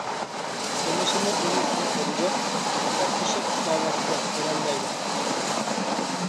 دېمىسىمۇ ئۇنى كىم كۆرىدۇ؟ ياتاقدىشىم ئۇخلاۋاتىدۇ، كۆرەلمەيدۇ.